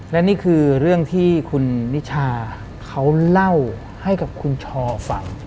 และนี่คือเรื่องที่คุณนิชาเขาเล่าให้กับคุณชอฟัง